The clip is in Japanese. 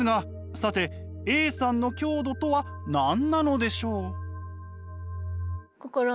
さてＡさんの強度とは何なのでしょう？